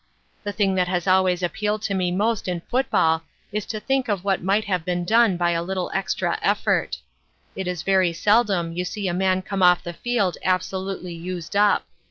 The thing that has always appealed to me most in football is to think of what might have been done by a little extra effort. It is very seldom you see a man come off the field absolutely used up.